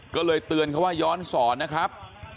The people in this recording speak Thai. ก็เลยเตือนเขาว่าย้อนสอนนะครับ